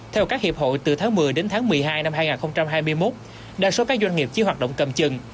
theo các hiệp hội từ tháng một mươi đến tháng một mươi hai năm hai nghìn hai mươi một đa số các doanh nghiệp chỉ hoạt động cầm chừng